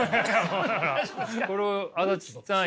これ足立さん